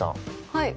はい。